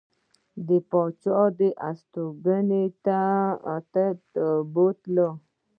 د پاچا هستوګنځي ته بوتلو.